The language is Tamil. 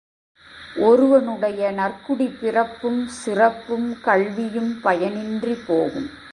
ஒருவனுடைய நற்குடிப் பிறப்பும், சிறப்பும், கல்வியும் பயனின்றிப் போகும்.